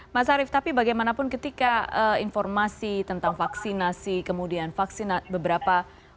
mas arief tapi bagaimanapun ketika informasi tentang vaksinasi kemudian beberapa